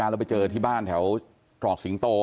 อย่าคุย๑๙แล้วไปเจอที่บ้านแถวกรอกสิงโต